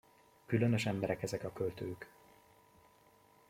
Különös emberek ezek a költők!